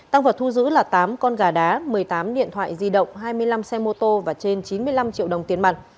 tăng vật thu giữ là tám con gà đá một mươi tám điện thoại di động hai mươi năm xe mô tô và trên chín mươi năm triệu đồng tiền mặt